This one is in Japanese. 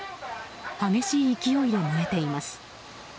激しい勢いで燃えています。